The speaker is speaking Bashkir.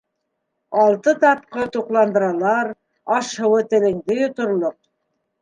— Алты тапҡыр туҡландыралар, аш-һыуы телеңде йоторлоҡ.